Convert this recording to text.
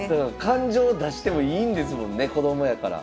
感情出してもいいんですもんね子供やから。